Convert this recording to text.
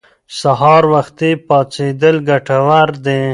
سهار وختي پاڅېدل ګټور دي.